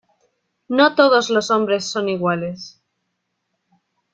no todos los hombres son iguales...